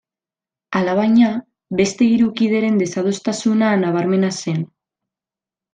Alabaina, beste hiru kideren desadostasuna nabarmena zen.